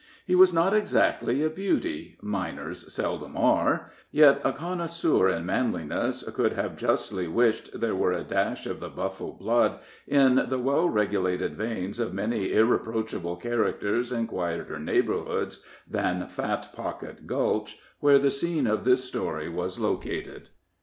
He was not exactly a beauty miners seldom were yet a connoisseur in manliness could have justly wished there were a dash of the Buffle blood in the well regulated veins of many irreproachable characters in quieter neighborhoods than Fat Pocket Gulch, where the scene of this story was located.